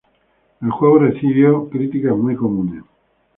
El juego recibió críticas muy comunes.